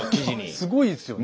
すごいですよね。